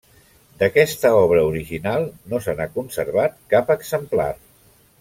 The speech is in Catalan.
D'aquesta obra original, no se n'ha conservat cap exemplar.